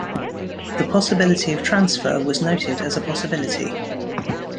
The possibility of transfer was noted as a possibility.